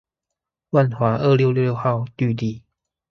萬華二六六號綠地